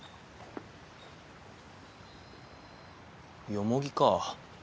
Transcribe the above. ヨモギか。